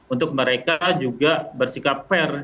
untuk mereka juga bersikap fair